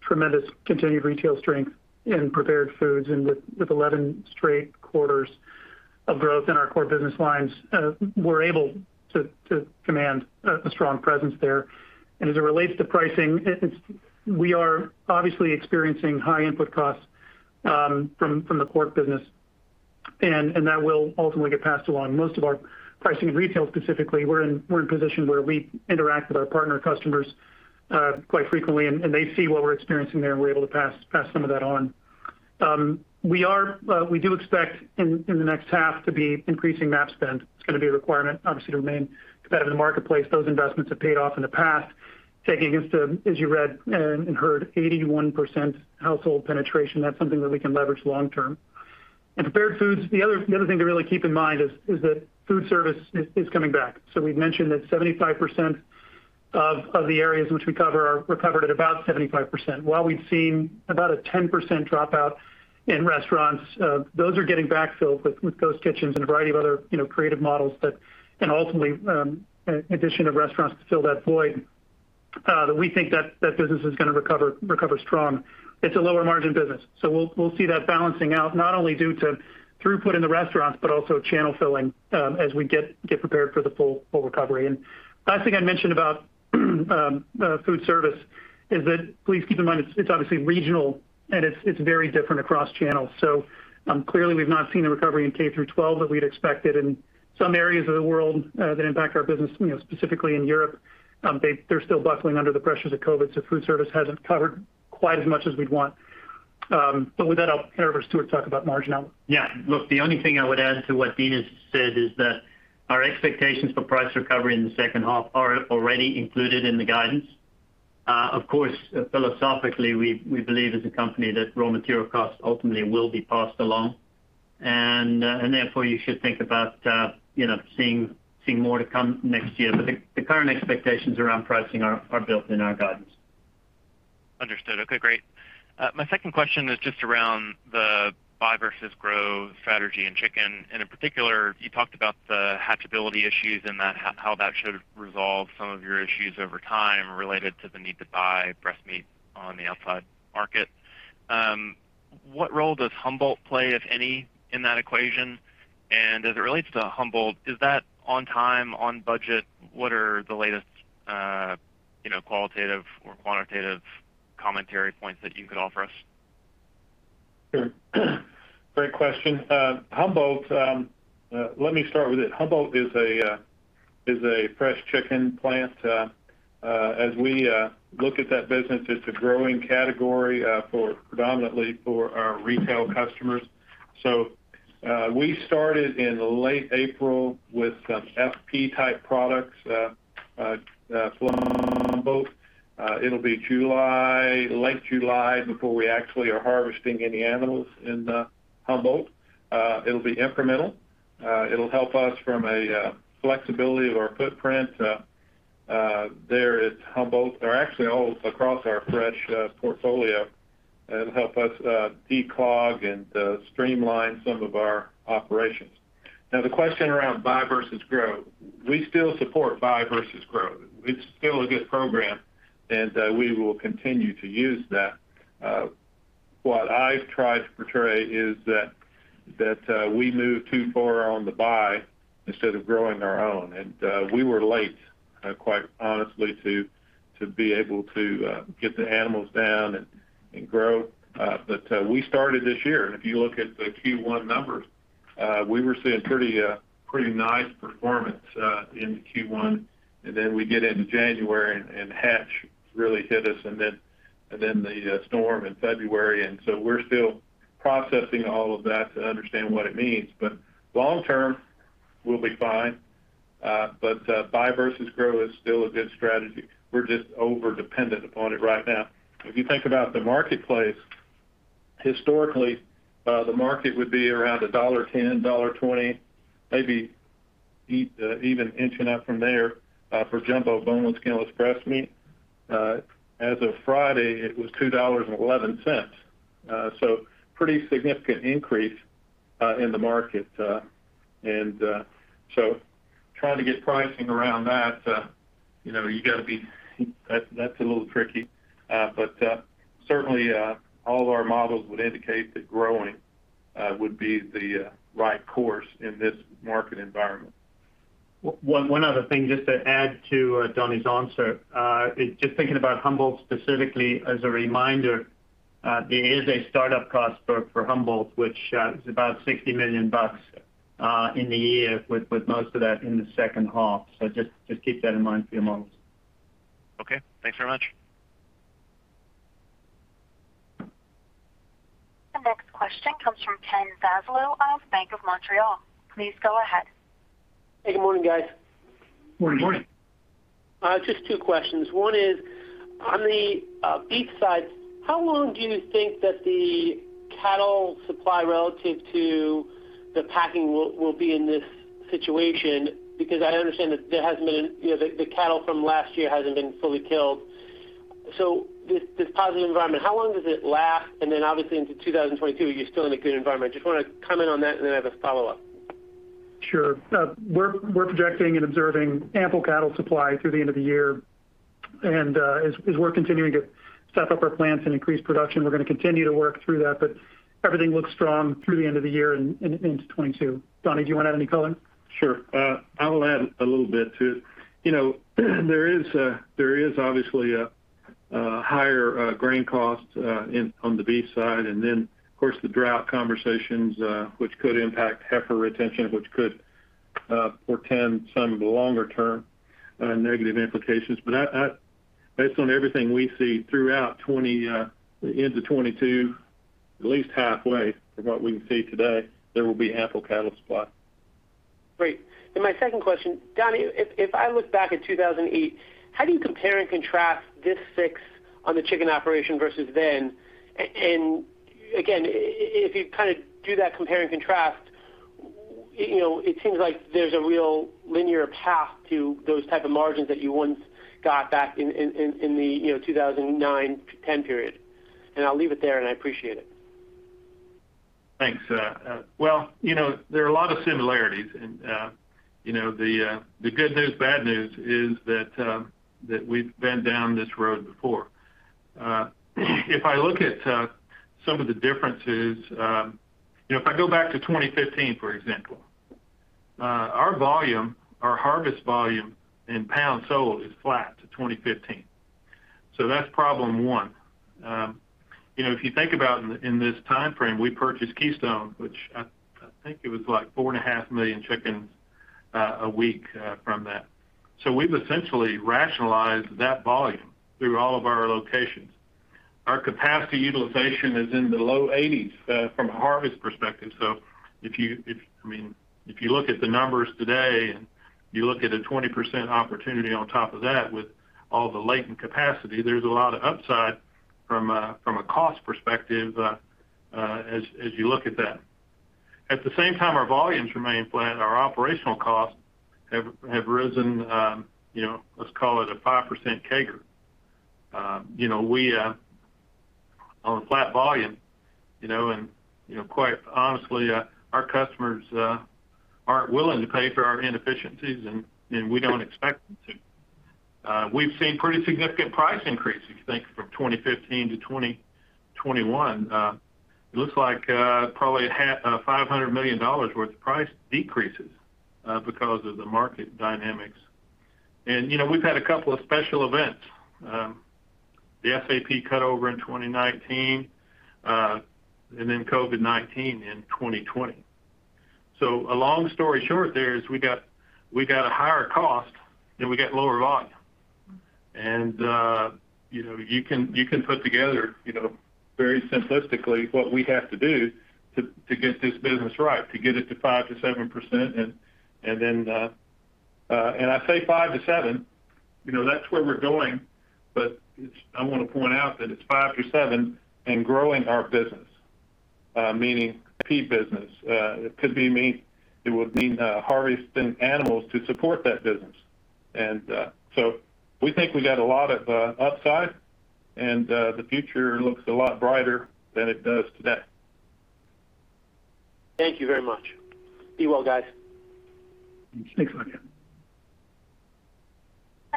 tremendous continued retail strength in prepared foods, and with 11 straight quarters of growth in our core business lines, we're able to command a strong presence there. As it relates to pricing, we are obviously experiencing high input costs from the pork business, and that will ultimately get passed along. Most of our pricing in retail specifically, we're in a position where we interact with our partner customers quite frequently, and they see what we're experiencing there, and we're able to pass some of that on. We do expect in the next half to be increasing ad spend. It's going to be a requirement, obviously, to remain competitive in the marketplace. Those investments have paid off in the past, taking us to, as you read and heard, 81% household penetration. That's something that we can leverage long-term. In prepared foods, the other thing to really keep in mind is that food service is coming back. We've mentioned that 75% of the areas which we cover are recovered at about 75%. While we've seen about a 10% dropout in restaurants, those are getting backfilled with ghost kitchens and a variety of other creative models and, ultimately, addition of restaurants to fill that void, that we think that business is going to recover strong. It's a lower-margin business; we'll see that balancing out not only due to throughput in the restaurants but also channel filling as we get prepared for the full recovery. The last thing I'd mention about food service is that please keep in mind it's obviously regional and it's very different across channels. Clearly we've not seen a recovery in K-12 that we'd expected in some areas of the world that impact our business, specifically in Europe. They're still buckling under the pressures of COVID, so food service hasn't covered quite as much as we'd want. With that, I'll hand it over to Stewart to talk about margin outlook. Look, the only thing I would add to what Dean has said is that our expectations for price recovery in the second half are already included in the guidance. Of course, philosophically, we believe as a company that raw material costs ultimately will be passed along, and therefore, you should think about seeing more to come next year. The current expectations around pricing are built in our guidance. Understood. Okay, great. My second question is just around the buy versus grow strategy in chicken. In particular, you talked about the hatchability issues and how that should resolve some of your issues over time related to the need to buy breast meat on the outside market. What role does Humboldt play, if any, in that equation? As it relates to Humboldt, is that on time, on budget? What are the latest qualitative or quantitative commentary points that you could offer us? Sure. Great question. Humboldt, let me start with it. Humboldt is a fresh chicken plant. As we look at that business, it's a growing category predominantly for our retail customers. We started in late April with some FP-type products from Humboldt. It'll be late July before we actually are harvesting any animals in Humboldt. It'll be incremental. It'll help us from a flexibility of our footprint there at Humboldt or actually all across our fresh portfolio. It'll help us declog and streamline some of our operations. The question around buy versus grow. We still support buy versus grow. It's still a good program, and we will continue to use that. What I've tried to portray is that we moved too far on the buy instead of growing our own, and we were late, quite honestly, to be able to get the animals down and grow. We started this year; if you look at the Q1 numbers, we were seeing pretty nice performance in Q1, then we got into January and hatch really hit us, then the storm in February. We're still processing all of that to understand what it means. Long term, we'll be fine. Buy versus grow is still a good strategy. We're just over-dependent upon it right now. If you think about the marketplace, historically, the market would be around $1.10, $1.20, maybe even inching up from there for jumbo boneless, skinless breast meat. As of Friday, it was $2.11. Pretty significant increase in the market. Trying to get pricing around that's a little tricky. Certainly, all of our models would indicate that growing would be the right course in this market environment. One other thing just to add to Donnie's answer, just thinking about Humboldt specifically as a reminder, there is a start-up cost for Humboldt, which is about $60 million in the year, with most of that in the second half. Just keep that in mind for your models. Okay. Thanks very much. The next question comes from Ken Zaslow of Bank of Montreal. Please go ahead. Hey, good morning, guys. Good morning. Good morning. Just two questions. One is, on the beef side, how long do you think that the cattle supply relative to the packing will be in this situation? Because I understand that the cattle from last year hasn't been fully killed. This positive environment, how long does it last? Obviously, into 2022, are you still in a good environment? Just want to comment on that, and then I have a follow-up. Sure. We're projecting and observing an ample cattle supply through the end of the year. As we're continuing to step up our plants and increase production, we're going to continue to work through that, but everything looks strong through the end of the year and into 2022. Donnie, do you want to add any color? Sure. I will add a little bit, too. There is obviously a higher grain cost on the beef side, and then, of course, the drought conversations, which could impact heifer retention, which could portend some of the longer-term negative implications. Based on everything we see throughout into 2022, at least halfway from what we can see today, there will be an ample cattle supply. Great. My second question, Donnie, if I look back at 2008, how do you compare and contrast this fix on the chicken operation versus then? Again, if you do that compare and contrast, it seems like there's a real linear path to those types of margins that you once got back in the 2009-2010 period. I'll leave it there, and I appreciate it. Thanks. Well, there are a lot of similarities, and the good news, bad news is that we've been down this road before. If I look at some of the differences, if I go back to 2015, for example, our volume, our harvest volume in pounds sold, is flat to 2015. That's problem one. If you think about in this timeframe, we purchased Keystone, which I think it was 4.5 million chickens a week from that. We've essentially rationalized that volume through all of our locations. Our capacity utilization is in the low 80s from a harvest perspective. If you look at the numbers today and you look at a 20% opportunity on top of that with all the latent capacity, there's a lot of upside from a cost perspective as you look at that. At the same time our volumes remain flat, our operational costs have risen; let's call it a 5% CAGR. On a flat volume, and quite honestly, our customers aren't willing to pay for our inefficiencies, and we don't expect them to. We've seen pretty significant price increases if you think from 2015 to 2021. It looks like probably $500 million worth of price decreases because of the market dynamics. We've had a couple of special events. The SAP cutover in 2019. COVID-19 in 2020. A long story short, there is we got a higher cost, then we got lower volume. You can put together, very simplistically, what we have to do to get this business right, to get it to 5% to 7%. I say five to seven; that's where we're going, but I want to point out that it's five to seven and growing our business, meaning FP business. It would mean harvesting animals to support that business. We think we got a lot of upside, and the future looks a lot brighter than it does today. Thank you very much. Be well, guys. Thanks again. The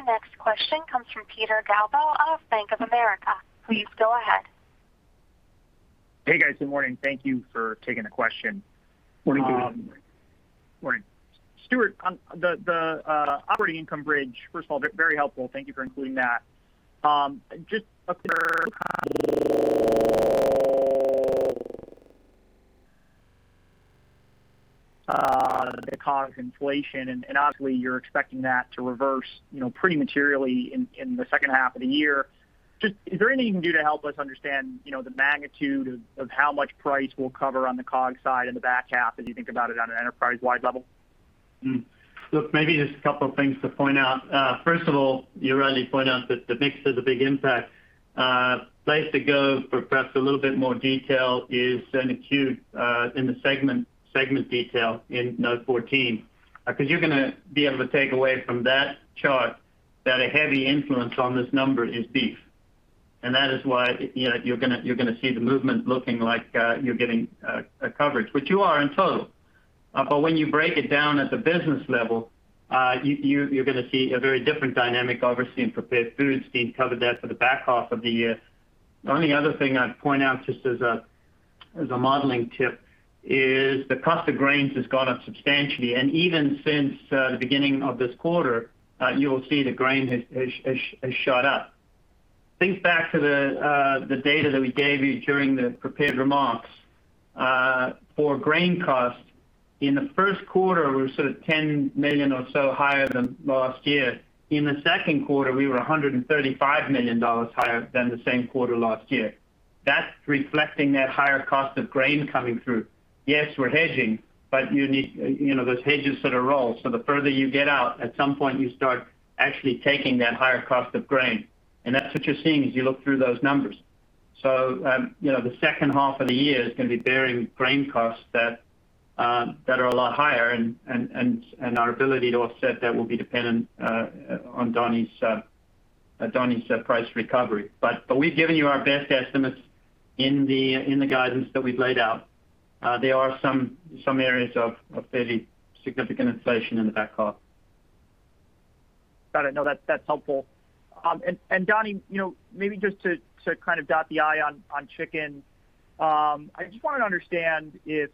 next question comes from Peter Galbo of Bank of America. Please go ahead. Hey, guys. Good morning. Thank you for taking the question. Morning to you. Morning. Stewart, on the operating income bridge, first of all, very helpful. Thank you for including that. Just the cost of inflation; obviously, you're expecting that to reverse pretty materially in the second half of the year. Just is there anything you can do to help us understand the magnitude of how much price we'll cover on the COGS side in the back half as you think about it on an enterprise-wide level? Maybe just a couple of things to point out. First of all, you rightly point out that the mix is a big impact. Place to go for perhaps a little bit more detail is then in the segment detail in note 14, because you're going to be able to take away from that chart that a heavy influence on this number is beef. That is why you're going to see the movement looking like you're getting a coverage, which you are in total. When you break it down at the business level, you're going to see a very different dynamic, obviously, in prepared foods. Dean covered that for the back half of the year. The only other thing I'd point out just as a modeling tip is the cost of grains has gone up substantially, and even since the beginning of this quarter, you'll see the grain has shot up. Think back to the data that we gave you during the prepared remarks. For grain costs, in the first quarter, we were sort of $10 million or so higher than last year. In the second quarter, we were $135 million higher than the same quarter last year. That's reflecting that higher cost of grain coming through. Yes, we're hedging, but those hedges sort of roll. The further you get out, at some point, you start actually taking that higher cost of grain, and that's what you're seeing as you look through those numbers. The second half of the year is going to be bearing grain costs that are a lot higher, and our ability to offset that will be dependent on Donnie's price recovery. We've given you our best estimates in the guidance that we've laid out. There are some areas of fairly significant inflation in the back half. Got it. No, that's helpful. Donnie, maybe just to kind of dot the "i" on chicken. I just wanted to understand if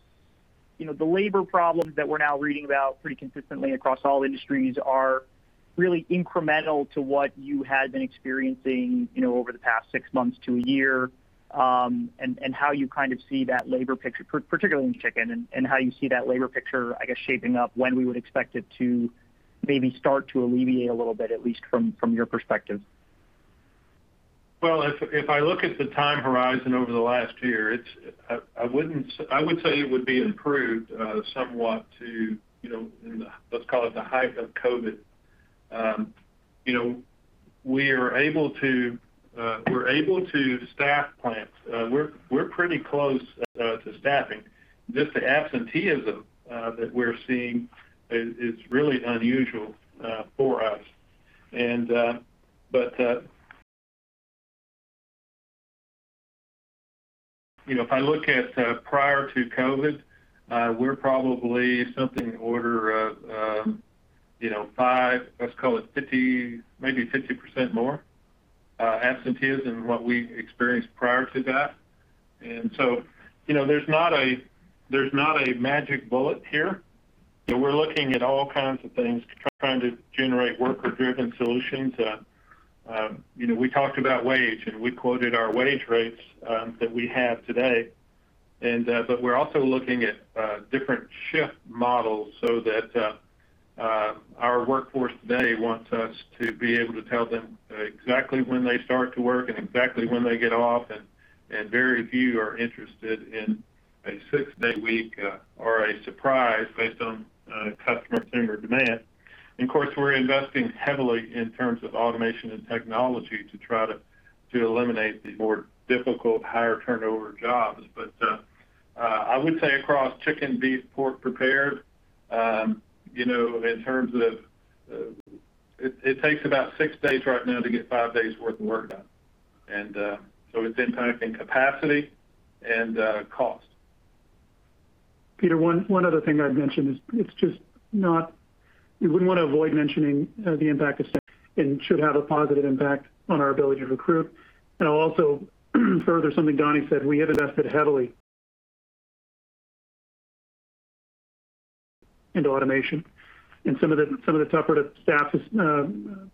the labor problems that we're now reading about pretty consistently across all industries are really incremental to what you had been experiencing over the past six months to a year, and how you kind of see that labor picture, particularly in chicken, and how you see that labor picture, I guess, shaping up, when we would expect it to maybe start to alleviate a little bit, at least from your perspective. Well, if I look at the time horizon over the last year, I would say it would be improved somewhat to, let's call it, the height of COVID. We're able to staff plants. We're pretty close to staffing. This absenteeism that we're seeing is really unusual for us. If I look at prior to COVID, we're probably something order of five, let's call it maybe 50% more absenteeism than what we experienced prior to that. There's not a magic bullet here. We're looking at all kinds of things to try to generate worker-driven solutions. We talked about wages, and we quoted our wage rates that we have today. We're also looking at different shift models so that our workforce today wants us to be able to tell them exactly when they start to work and exactly when they get off, and very few are interested in a six-day week or a surprise based on customer demand. Of course, we're investing heavily in terms of automation and technology to try to eliminate the more difficult, higher turnover jobs. I would say across chicken, beef, pork prepared, it takes about six days right now to get five days' worth of work done. So it's impacting capacity and cost. Peter, one other thing I'd mention is you wouldn't want to avoid mentioning the impact of and should have a positive impact on our ability to recruit. Also further something Donnie said, we have invested heavily into automation and some of the tougher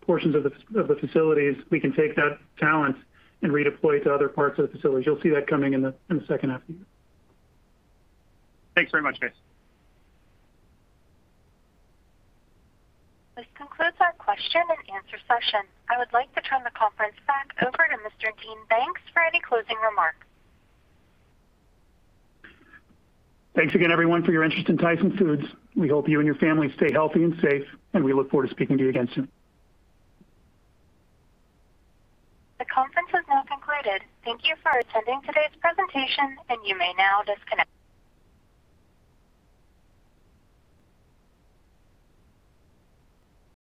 portions of the facilities; we can take that talent and redeploy it to other parts of the facilities. You'll see that coming in the second half of the year. Thanks very much, guys. This concludes our question and answer session. I would like to turn the conference back over to Mr. Dean Banks for any closing remarks. Thanks again, everyone, for your interest in Tyson Foods. We hope you and your families stay healthy and safe, and we look forward to speaking to you again soon. The conference has now concluded. Thank you for attending today's presentation. You may now disconnect.